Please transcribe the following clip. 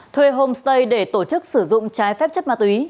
thuê homestay để tổ chức sử dụng trái phép chất ma túy